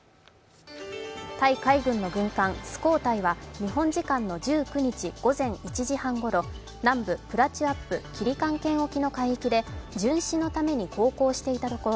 タイ海軍の軍艦「スコータイ」は日本時間の１９日午前１時半ごろ、南部プラチュアップキリカン県沖の海域で巡視のために航行していたところ